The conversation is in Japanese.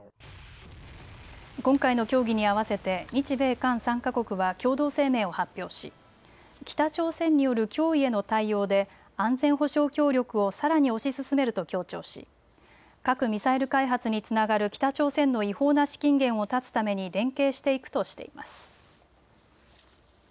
今回の協議にあわせて日米韓３か国は共同声明を発表し北朝鮮による脅威への対応で安全保障協力をさらに推し進めると強調し核・ミサイル開発につながる北朝鮮の違法な資金源を断つために連携していくとしています。